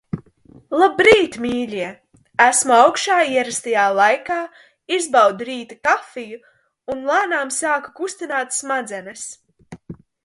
Labrīt, mīļie! Esmu augšā ierastajā laikā, izbaudu rīta kafiju un lēnām sāku kustināt smadzenes.